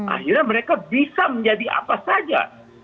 akhirnya mereka bisa menjadi apa saja